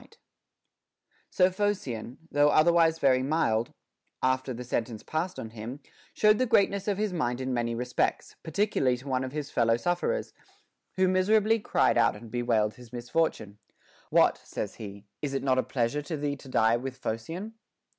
t So Phocion, though otherwise very mild, after the sen tence passed on him, showed the greatness of his mind in many respects ; particularly to one of his fellow sufferers, who miserably cried out and bewailed his misfortune, What, says he, is it not a pleasure to thee to die with Phocion I 6.